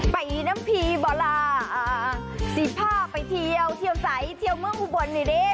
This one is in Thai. ไปน้ำพีบอราสีพาไปเที่ยวเที่ยวใสเที่ยวเมืองอุบลนี่ดิ